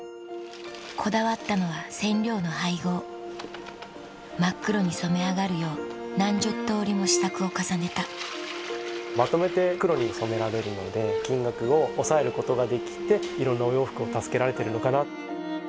こだわったのは真っ黒に染め上がるよう何十通りも試作を重ねたまとめて黒に染められるので金額を抑えることができていろんなお洋服を助けられてるのかな。